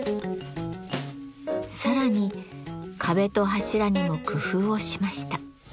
さらに壁と柱にも工夫をしました。